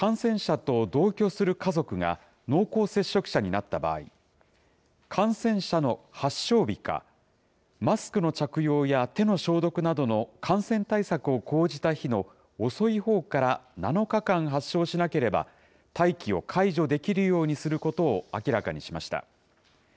後藤厚生労働大臣は昨夜、感染者と同居する家族が濃厚接触者になった場合、感染者の発症日か、マスクの着用や手の消毒などの感染対策を講じた日の遅いほうから７日間発症しなければ、待機を解除できるようにすることを明らかにしました。